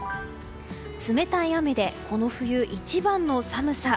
冷たい雨でこの冬一番の寒さ。